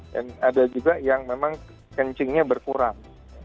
dan ada juga yang memang kencingnya berkurang